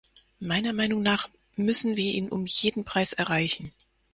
Meiner Meinung nach müssen wir ihn um jeden Preis erreichen.